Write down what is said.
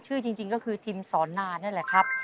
ชื่อจริงก็คือทิมสอนานนั่นแหละครับ